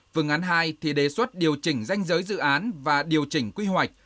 phương án hai thì đề xuất điều chỉnh danh giới dự án và điều chỉnh quy hoạch